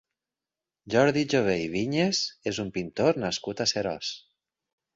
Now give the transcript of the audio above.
Jordi Jové i Viñes és un pintor nascut a Seròs.